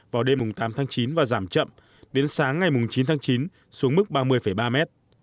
vào đêm tám tháng chín và giảm chậm đến sáng ngày chín tháng chín xuống mức ba mươi ba mét